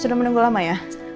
sudah menunggu lama ya